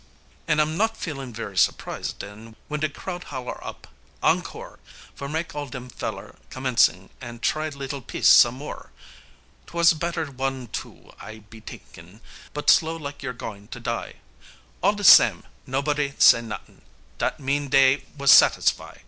An' I'm not feelin' very surprise den, w'en de crowd holler out, "Encore," For mak' all dem feller commencin' an' try leetle piece some more, 'Twas better wan' too, I be t'inkin', but slow lak you're goin' to die, All de sam', noboddy say not'ing, dat mean dey was satisfy.